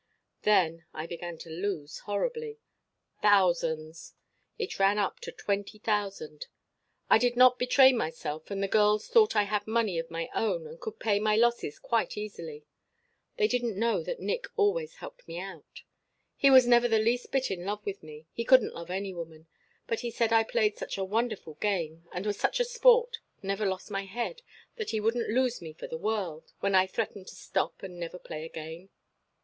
"Then I began to lose horribly. Thousands. It ran up to twenty thousand. I did not betray myself, and the girls thought I had money of my own and could pay my losses quite easily. They didn't know that Nick always helped me out. He was never the least bit in love with me he couldn't love any woman but he said I played such a wonderful game and was such a sport, never lost my head, that he wouldn't lose me for the world when I threatened to stop and never play again.